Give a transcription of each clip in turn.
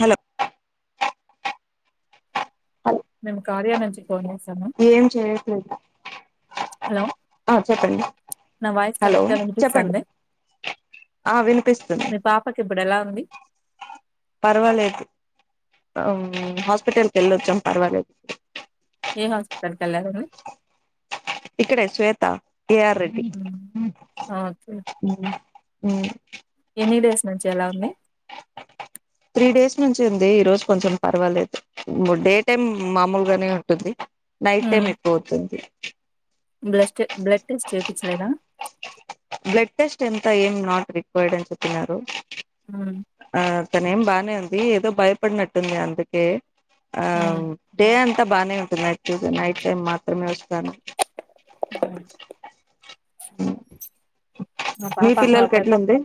హలోలో నిమ్ కార్యనాంచి ఏం చేయట్లేదు హలో చెప్పండి నా వాయిస్ హలో కరెక్ట్గా చెప్పండి వినిపిస్తాంది ఆ వినిపిస్తుంది అడి పర్వాలేదు ఆ హాస్పిటల్కి వెళ్ళొచ్చాం పర్వాలేదు ఏ హాస్పిటల్ కి వెళ్లారండి ఇక్కడ శ్వేత్త కె ఆర్ రెడ్డి హ్మ్ అ ఎనీ డేస్ నుంచి ఎలా ఉంది త్రీ డేస్ నుంచి ఉంది ఈ రోజు కొంచెం పర్వాలేదు డే టైమ్ మామూలుగానే ఉంటుంది నైట్ టైమ్ ఎక్కువ అవుతుంది బ్ బ్లడ్ టెస్ట్ చపించలేదా బ్లడ్ టెస్ట్ ఎంత ఏం నాట్ రిక్వైర్డ్ అని చెప్పతున్నారు ఆ తనే ఏం బానే ఉంత అది ఏదో భయపడినట్టుంది అందుకే ఆ హ్మ్ దే అంత అంత బాగానే ఉంది నైట్ చ నైట్ టైమ్ మాత్రమే వస్తా బ మీ పాపా పిల్లలకి పెద్ద ఎట్లుంది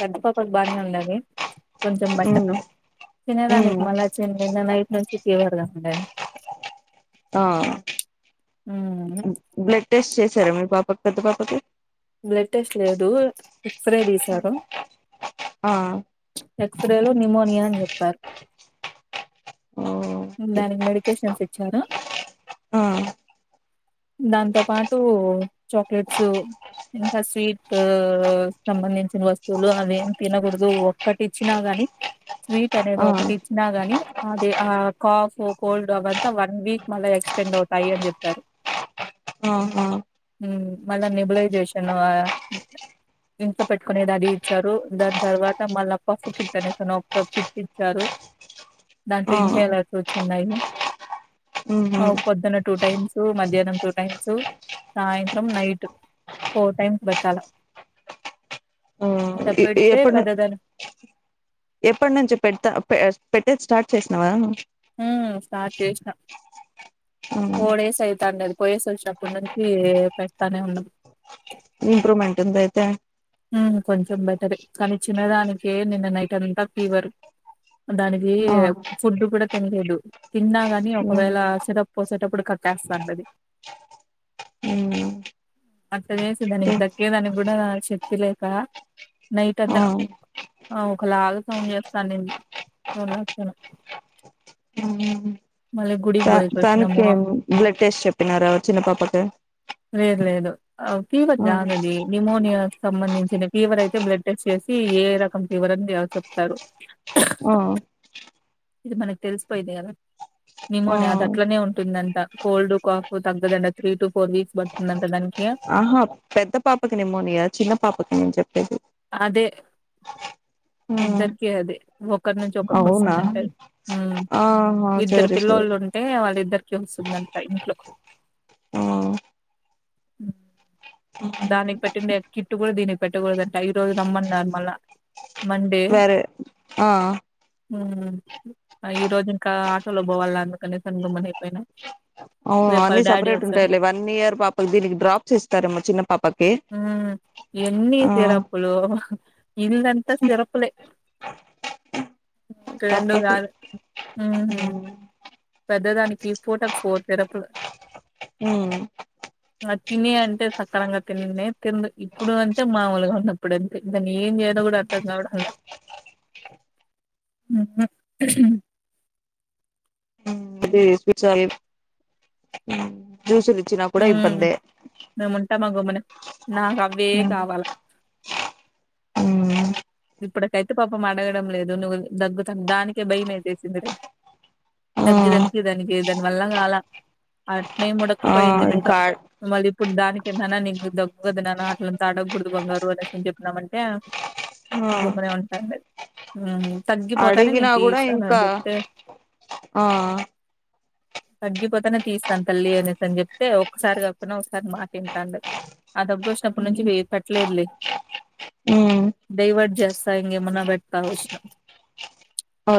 పెద్ద పాప బా అ అలాగే కొంచం ఉమ్ బష్టం చిన్నరా అనేక ఉమ్ మ చెైన్నై నా నైట్ నుంచి సిటీ వర్గా ఆ హ్మ్ బ్లడ్ టెస్ట్ చేసి శర మీ పాప పెద్ద పాపకి బ్లడ్ టెస్ట్ లేదు ఎక్స్రే తీసారు ఆ ఎక్స్రే లో న్మోనియా అని చెప్పారు ఓకే దానికి మెడికేషన్ ఫ విచ్చారా ఆ దాంతో పాటు చాక్లెట్స్ ఇంకా స్వీట్ సంబంధించిన వస్తువులు అవిేం తినకూడదు ఒటి ఇచ్చినా గాని స్వీట్ అనేది ఆ ఒకటి ఇచ్చినా ని అది ఆ కాఫ్ కోల్డ్ అవంతా వన్ వీక్ మళ్ళా ఎక్స్టెండ్ అవుతాయి అని చెప్పారు ఆహా మళ్ళా నిబులై చే తను డంక్ లో పెట్టుకునేది అడీ ఇచ్చారు దాని తర్వాత మళ్ళా పఫ్ కిట్ అనే తను ఒక కిట్ ఇచ్చారు దాంట్లో ఆ ఇం చేయలాల్సి వచ్చిన్నాయి ఉహు పొద్దున్న టూ టైమ్స్ మధ్యాహ్నం టూ టైమ్స్ సాయంత్రం నైట్ ఫోర్ టైమ్స్ పెట్టాలా ఆ అంత పెడితే ఎప్పటి పెద్దదన ఎప్పటి నుంచి పెత పెట్టేది స్టార్ట్ చేసినవాా హ సార్ చేసిన ఫోర్ డేస్ ఐతంది పోయేసి వచ్చ అప్పడు నుంచి పెడతానే ఉండం ఇంప్రూమెంట్ ఉందియితే కొంచెం బెటర్ కానీ తినదానికే నిన్న నైట్ అంతా ఫీవర్ దానికి ఆ ఫుడ్ కూడా తినలేదు తిన్నా కాని ఉమ్ ఒకవేళసటప్సేటప్పుడు కట్టేస్తాం అది ఉమ్ అట్ట చేసి దానికి దక్కేదానికి కూడా చె వ లేక నైట్ అంత ఆ ఒకలాగా సౌండ్ చేస్తానండి సోన్ ను తా తానికి బ్లడ్ టెస్ట్ చెప్పినారా చిన్న పాపకి అ తీవ్ర ఆ జాది నిమోనియా సంబంధించిన ఫీవర్ అయితే బ్లడ్ టెస్ట్ చేసి ఏ రకం ఫీవర్ అని ద్య చెప్తారు ఆ ఇది మనకి తెలిసిపోయింది కదా నిమోనియా ఆ అద్ అట్లనే ఉంటుందంట కోల్డ్ కాఫ్ తగ్గదంట త్రీ టు ఫోర్ వీక్స్ పడుతుందంట దానికి ఆహా పెద్ద పాపకి నిమోనియా చిన్న పాపకి నేన్ చెప్పేది అదే ఇద్దరికి అదే ఒకరి నుంచి ఒకరికి అవునా వస్తుందంట ఉమ్ ఆహా ఇద్దరు సరే సరే పిల్లొల్ఉంటే వాళ్ళిద్దరికి వస్తుందంట ఇంట్లో ఆ మ్ దానిక్ పట్టిండే కిట్టు కూడా దీనిక్ పేట్ట గుడద్ కై రోజ్ రమ్మన్నార్ మల్ల త్వరే ఆ ఆ ఉం ఈ రోజు ఇంకా ఆటోలో బోవాల అందుకనీసం గుమ్మన్ అయిపోయినా ఆ రేపు వాళ్ళ అన్ని డాడీ సపరేట్ వస్తాడు ఉంటాయిలే వన్ ఇయర్ పాపకి దీనికి డ్రాప్స్ ఇస్తారేమో చిన్న పాపకి మ్మ్ ఎన్ని ఆ సిరప్లు ఇల్లంత సిరప్లే రెం తప్పదు కాదు ఉహుం తగ్ దదానికి ఫోటక్ఫోర్ సిరప్లు మ్ ఆ తినే అంటే సక్కరంగా తినే తి ఇప్పుడు అంటే మామూలుగా ఉన్నప్పుడుంతే దాన్ని ఏం చేయాలో కూడా అర్థం కావడం లే ఉందే కుచల్ మ్మ్ జ్యూస్లు ఇచ్చినప్పుడే హ్మ్. ఇబ్బందే మేముంటామా గమ్మున. నాకవ్వే మ్ కావాల. ఇప్పటికైతే పాపం అడగడం లేదు నువ్వు దగ్గుతన్ దానికే భయంమేసేసింది డై ఆ దగ్గి దగ్గి దానికి దాని వల్ల కాల అట్ నే ఆ ముడక్కుపోయింది బిడ్డ ఇంకా మళ్ళీ ఇప్పుడు దానికి నానా నీకు దగ్గు కదా నాన్న అట్లంత ఆడగ కుడదు బంగారు అనేసి చెప్నమంటే ఆ గొబ్బనే ఆంటందే మ్మ్ అడిగినా కూడా ఇంకా ఆ తగ్గిపోతనే తీస్తాన్ తల్లి అనేసి అని చెప్తే ఒక్సారి తప్పను ఒక్సారి మాట్ఇంటాను ఆ దబ్బు వచ్చినప్పటి నుంచి వెకట్లేదులే మ్మ్ డైవర్ట్ చేస్తా ఇంకే మన వెట్త విష్ణ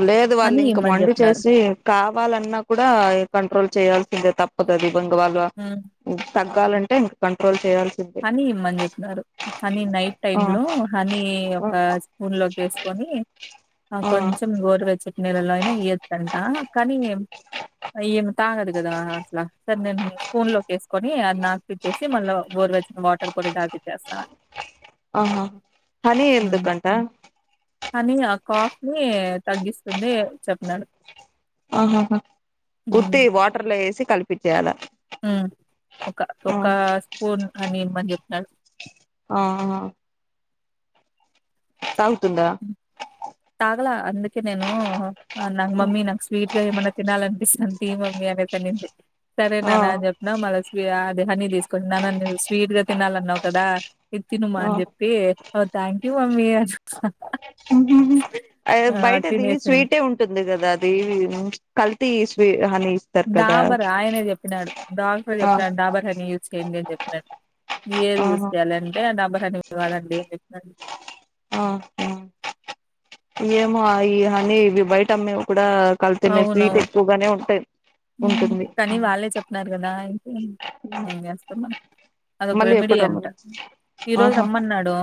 లేదు వాళ్ళు ఇంక మండి చేసి కావాలన్నా కూడా కంట్రోల్ చేయాల్సిందే తప్ ఒకది బంగవాళ్వ ఉం తగ్గాలంటే ఇంక కంట్రోల్ చేయాల్ హనీ ఇమన్ చెప్నారు అనీ నైట్ ఆ టైమ్ లో హనీ ఆ ఒక స్పూన్ లో వేసుకొని ఆ కొంచెం గోరు వెచ్చట్ నీళ్లలో అయిన యేతన్ కానీ ఏం తాగదు కదా అట్లా సర నేను స్పూన్ లో వేసుకొని అది నాకుపిచ్చేసి మళ్ళీ బోరవచ్చ వాటర్ కూడా దాగితేస్తాను ఆహా హని ఎందు కంటా కాఫ్ ని తగ్గిస్తుంది చెప్నాడు ఆహాహా ఉత్తి వాటర్లో వేసి కలిపి పట్టాలా ఒక ఒక స్పూన్ అని ఇమంది చెప్నాడు ఆ హా త తుందా తగలా అందుకే నేను నాకు మమ్మీ నాకు స్వీట్ గా ఏమన్నా తినాలనిపి అంత తీ మమ్మీ అనతే నింది సరే ఆ నా జప్న మళస్వి అ హని తీసుకోండిన్న స్వీట్ గా తినాలన్నావు కదా ఎత్తనుమ్మా ఆ అని చెప్పి ఓ థ్యాంక్ యూ మమ్మీ ఆ! బయటది తినేసింది. స్వీటే ఉంటుంది కదా అది అవి కల్ తీ స్వే డాబర్ ఆయనే చెప్పినాడు డాక్టర్ ఆ చెప్పినాడు డాబర్ హనీ యూజ్ చేయండి అని చెప్పినడు ఏది యూజ్ ఆహా చేయాలంటే ఆ డాబర్ హనీ వాడండి ఆ ఆ ఏమో అని ఇవి బయట అమ్మేవి కూడా కల్తనే అవునవును. స్వీట్ ఎక్కువగానే ఉంటయి కానీ వాళ్ళే చెప్న్నారు కదా ఇ చేస్తాం మన అదొక మళ్ళీ రెమిడీ ఎప్పుడు అంట రమ్మను ఈ రోజు ఆహా రమ్మన్నాడు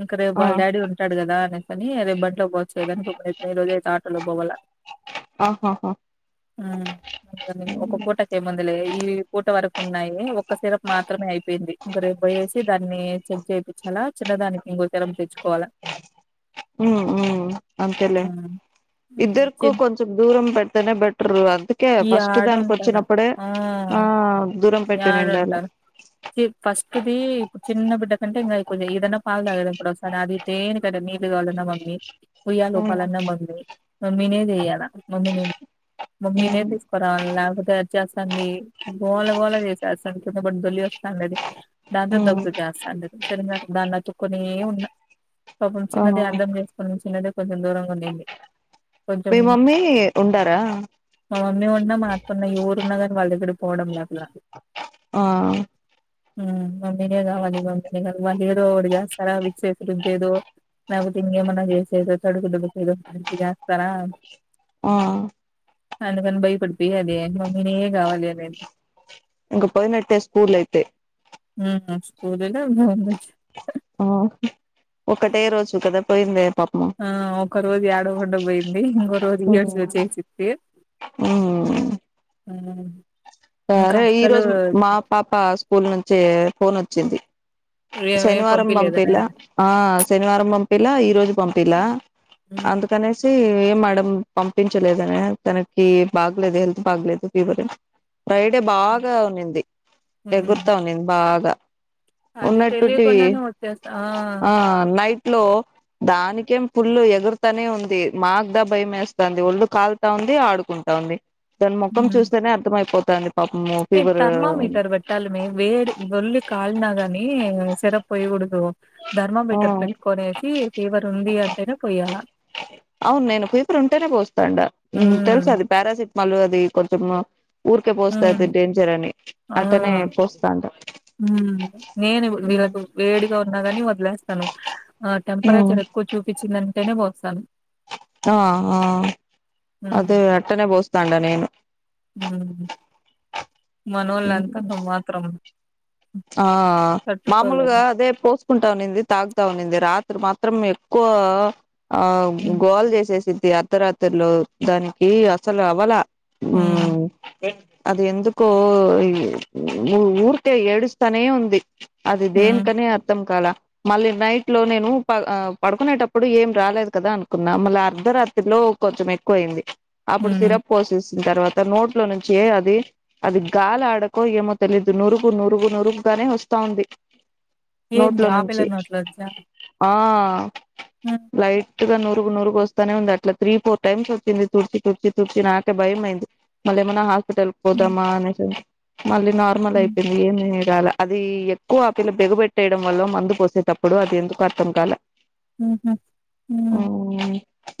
ఇంక రేపు ఆ వాళ్ళ డాడీ ఉంటాడు కదా అని కానీ రేపు బంట్లో పోచ్చలేదాకై ఈ రజ అ బవల్ ఆహాహా హ్మ్. ఒక పూటక ఏముందులే ఈ పూట వరకు ఉన్నాయి ఒక సిరప్ మాత్రమే అయిపోయింది ఇంక రేపు పోయేసి దాన్ని చెక్ చేయి చాలా చిన్నదానికి ఇంకోతరం తెచ్చుకోవాలి ఉ అంతేలే హ్మ్. హ్మ్. ఇద్దరుకు కొంచెం దూరం పెట్ బెటరు అంత ఈ ఆడ ఉంటారు ఆ ఆ దూరం యాడ పెట్టినిండాల ఉంటారు ఫస్ట్దిప్పుడు చిన్న బిడ్డ కంటే ఇంకా ఇకు ఏదన్నా పాలు తాగడు అప్పుడు ఒసారి అది దేనికి అది నీలు కావాలన్నా మమ్మీ పోయా ఉమ్ లోపాలన్న మమ్మీ మమ్మినే చేయ్యాలా మమ్మినే మమ్మినే ఉమ్ మరి లేకపోతే అది చేస్తాంది గోల గోళ చేసా అసలు కిందపడి తొల్లి వస్తాండ అది దాంతో ఉమ్ దబ్బగు చేస్తాండ సరిగా దాని అత్తుకొనే ఉన్న పాపం ఆ చిన్నది అర్థం చేసుకుని చిన్నది కొంచెం దూరంగా ఉండేది మీ మమ్మీ ఉండారా మా మమ్మీ ఉన్నా మా అత్తమ్మ ఎవరు ఉన్నా కానీ వాళ్ళ దగ్గర పోడంలే అట్లా ఆ ఉ మమ్మినే కావాలి మమ్మినే కా వాళ్లు ఏదోకటి చేస్తారా విసేరుద్దేదో లేకపోతే ఏమన్నా చేసేదో తడుగు దొడుగుకేద చేస్తారా ఆ అందుకని భయపడిపోయి అది మమ్మినే కావాలి అనేది ఇంకా పోయినట్టే స్కూలు అయితే ఉహు స్కూలు లే ఇప్పుడే పంపించు ఆ ఒకటే రోజు కదా పోయిందే పాపము ఆ ఒక రోజు ఏడకుండ పోయింది ఇంకో రోజు ఏడ్చేసింది ఉ ఉ సరే ఈ రోజు మా పాప స్కూల్ నుంచి ఫోన్ వచ్ వచ్చింది ఏమేం శనివారం పంపియలేదనా. పంపిలా ఆ శనివారం పంపిలా ఈ రోజు పంపిలా హ్మ్. అందుకనేసి మేడం పంపించలేదనే తనకి బాగలేదు హెల్త్ బాగలేదు ఫీవర్ ఫ్రైడే బాగా ఉన్నింది హ్మ్. ఎగురుతాంది బాగా అది ఉన్నటువంటి తెలియకుండానే వచ్చేస్తా ఆ నైట్ లో దాని ఇంకేం పుల్లు ఎగురుతానే ఉంది మాకు దా భయంమేస్తంది ఒళ్ళు కాల్తా ఉంది ఆడుకుంటాంది దాని ముఖం చూస్తేనే అర్థమయిపో దా మేము థర్మోమీటర్ పెట్టాలి మే వేడి ఒల్లి కాలిన గాని తర పోయికుడదు ఆ ఫీవర్ ఉంది అంటేనే పొయ్యాల అవును నేను ఫీవరు ఉంటేనే పోస్తాండ ఉ తెలుస హ్మ్ అది పారాసిట్ మళ్ళ అది కొంచము ఊరికే పోస్తా హ్మ్ ఇది డేంజర్ అని ఆ అట్టనే పోస్తా ఉన్న హ్మ్ యు కాని వదిలేస్తాను ఆ టెంపరేచర్ ఎక్కువ చూపించిందింటేనే సన్ ఆ ఆ అది అట్టనే పోస్ తాండనేను ఉ మనోళ్లు అంతంత మాత్రం ఆ మామూలుగా తట్టుకోలేరు అదే పోసుకుంటానింది తాగుతావునింది రాత్రి మాత్రం త్రం ఎక్కువ ఆ హ్మ్ గోల్ జసే సి అర్ధరాత్రిలో దానికి అసలు అవలా హ్మ్ యూ అది ఎందుకో ఊ ఊరికే ఏడుస్ తనే ఉంది అది దేని హ్మ్ కని అర్థం కాల మళ్ళీ నైట్ లో నేను ప పడుకునేటప్పుడు ఏం రాలేదు కదా అనుకున్నా మళ్ళీ అర్ధరాత్రిలో కొంచెం ఎక్కువ అయ్యింది అప్పుడు హ్మ్ సిరప్ పోసేసిన తర్వాత నోట్ నోట్లో నుంచి అది అది గాలి ఆడకో ఏమో తెలియదు నురుగు నురుగు నురుగు గానే వస్తా ఉంది ఏంది నోట్లో ఆ పిల్ల నుంచి నోట్లోంచా ఆ హ్మ్ లైట్ గా నూరుగు నూరుగు వస్తానే ఉంది అట్లా త్రీ ఫోర్ టైమ్స్ వచ్చింది తుడిచి తుడిచి తుడిచి నాకే భయం అయ్యింది మళ్లీ ఏమన్నా హాస్ పెటల్ హ్మ్ పోదామా అనేసి మళ్ళీ నార్మల్ హ్మ్ అయిపోయింది ఏమి రాలా అది ఎక్కువ ఆ పిల్ల బిగా పెట్టేయడం వల్ల మందు పోసేటప్పుడు అది ఎందుకో అర్థం కాల ఉహు ఉ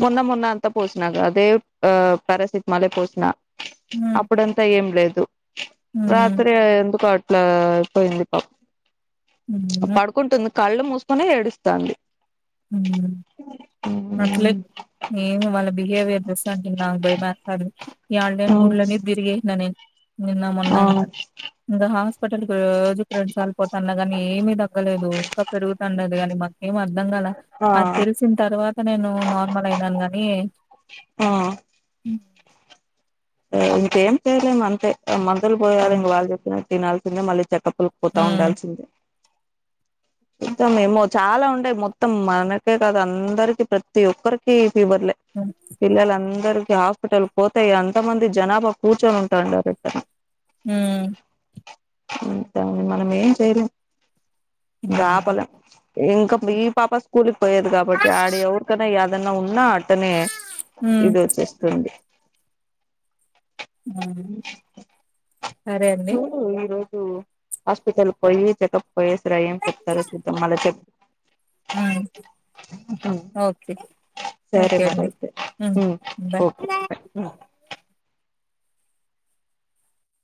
మొన్న మొన్న అంత పోసినాగా అదే ఆ ప్యారాసిటమాలే పోసినా హ్మ్ అప్పుడంతా ఏం లేదు హ్మ్ రాత్రి ఎందుకో లా పోయింది పా హ్మ్. పడుకుంటుంది కళ్ళు మూసుకునే ఏడు తాంది యు అట్లే ఏమి వాళ్ళ బిహేవియర్ చూస్తా ఉంటా ఉంటే నాకు భయం వేస్తాంది మాట్లాడ యాడ లేని గుళ్ళు అన్ని తిరిగి వేసా నేను నిన్న మొన్న ఆ అంత ఇంకా హాస్పిటల్కి రోజు రెండు సార్ పోతున్నా కాని ఏమి తగ్గలేదు ఇంకా పెరుగుతుండది కాని మాకేమి అర్ధం కల అది ఆ తెలిసిన తర్వాత నేను నార్మల్ అయినాను గాని ఎ ఇంకేం చేలేము అంతే అమల్ తల్ పోయారు హ్మ్. ఇంగ వాల్ చెప్పిన తినల్సిందె మళ్ళీ చెకప్ కొల్ పోతా హ్మ్. ఉండాల్సిందే ఇద్దమేమో చాలా ఉంటాయ్, మొత్తం మనకే కాద అందరికి ప్రతి ఒక్కరికి ఫీవర్లే, పిల్లలు అందరు కి హాస్పిటల్ పోతాయ్ అన్ కొంతమంది జనాభా కూర్చొని ఉంటాండరంట హు అంతా మనం ఏం చేయలేం. గాపల హ్మ్. ఇంకా వి పాప స్కూల్ పోయేది కాబట్టి ఆడ ఎవరితొనా ఎదన్న ఉన్నా అతనే హ్మ్. ఇది వచ్చేస్తుంది. ఆ చూడు ఈరో జు హస్పిటల్ పోయి చెకప్ పొయెస్రా ఏం చెప్తారొ చూద్దాం మళ్ళ చె హ్మ్. హు, ఓకే. సరే ఓకే అండి. మరైతే హ్మ్. Okay bye.